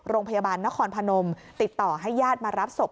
โรงพยาบาลนครพนมติดต่อให้ญาติมารับศพ